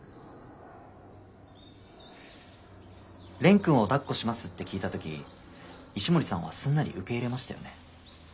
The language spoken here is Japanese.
蓮くんを「だっこします？」って聞いた時石森さんはすんなり受け入れましたよね。